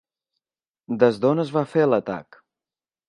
Des d'on es va fer l'atac?